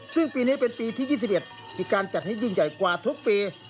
ซึ่งปีนี้เป็นปีที่๒๑มีการจัดให้ยิ่งใหญ่กว่าทุกปี